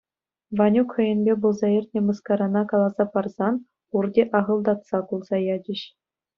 Ванюк хӑйӗнпе пулса иртнӗ мыскарана каласа парсан пурте ахӑлтатса кулса ячӗҫ.